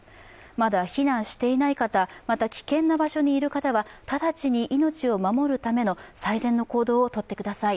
まだ避難していない方、また危険な場所にいる方は直ちに命を守るための最善の行動をとってください。